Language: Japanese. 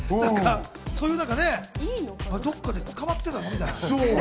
そういう、何かね、どこかで捕まってたみたいな。